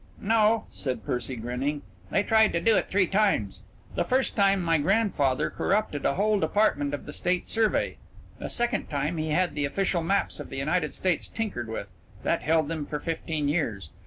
"No," said Percy, grinning, "they tried to do it three times. The first time my grandfather corrupted a whole department of the State survey; the second time he had the official maps of the United States tinkered with that held them for fifteen years.